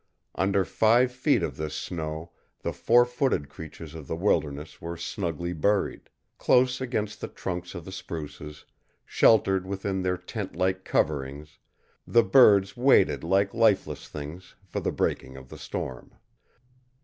Under five feet of this snow the four footed creatures of the wilderness were snugly buried; close against the trunks of the spruces, sheltered within their tent like coverings, the birds waited like lifeless things for the breaking of the storm.